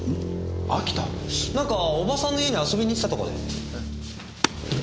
なんかおばさんの家に遊びに行ってたとかで。